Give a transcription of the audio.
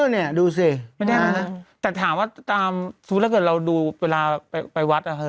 เนี่ยดูสิแต่ถามว่าตามสมมุติถ้าเกิดเราดูเวลาไปวัดอ่ะเธอ